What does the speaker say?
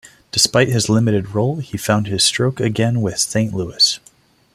Despite his limited role, he found his stroke again with Saint Louis.